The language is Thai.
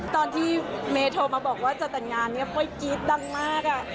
ตอนที่เมย์โทรมาบอกว่าจะแต่งงานเนี่ยค่อยกรี๊ดดังมาก